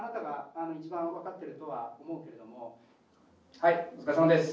・はいお疲れさまです。